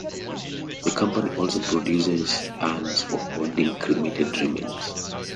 The company also produces urns for holding cremated remains.